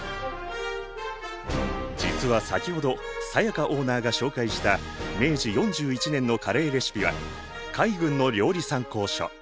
実は先ほど才加オーナーが紹介した明治４１年のカレーレシピは海軍の料理参考書。